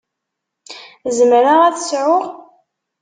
Zemreɣ ad t-sεuɣ?